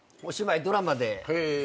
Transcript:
ドラマで。